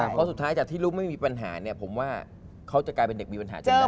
เพราะสุดท้ายจากที่ลูกไม่มีปัญหาเนี่ยผมว่าเขาจะกลายเป็นเด็กมีปัญหาจริงแล้ว